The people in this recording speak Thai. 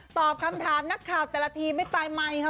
ตอบคำถามนักข่าวแต่ละทีไม่ตายไมค์ค่ะ